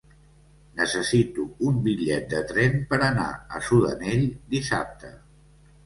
Necessito un bitllet de tren per anar a Sudanell dissabte.